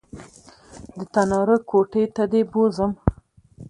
د تناره کوټې ته دې بوځم